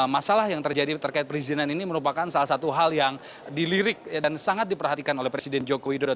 masalah yang terjadi terkait perizinan ini merupakan salah satu hal yang dilirik dan sangat diperhatikan oleh presiden joko widodo